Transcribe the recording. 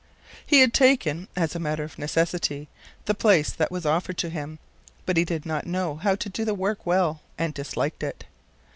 He had taken, as a matter of necessity, the place that was offered to him, but he did not know how to do the work well, and disliked it.